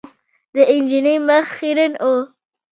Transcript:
د نجلۍ مخ خیرن و .